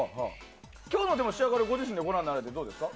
今日の仕上がり、ご自身でご覧になってどうですか？